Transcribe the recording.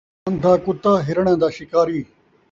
اندھا کتا ہرݨا دا شکاری